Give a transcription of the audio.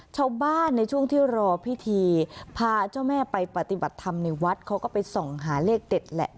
ชาวบ้านในช่วงที่รอพิธีพาเจ้าแม่ไปปฏิบัติธรรมในวัดเขาก็ไปส่องหาเลขเด็ดแหละ